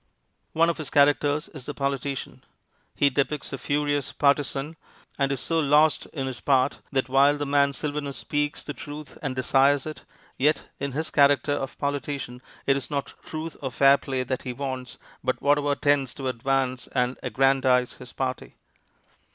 One of his characters is the politician. He depicts a furious partisan, and is so lost in his part that while the man Sylvanus speaks the truth and desires it, yet in his character of politician it is not truth or fair play that he wants, but whatever tends to advance and aggrandize his party.